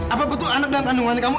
apa betul anak dalam kandungannya kamu